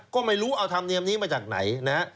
ก็ไม่รู้เอาธรรมเนียมนี้มาจากไหนนะ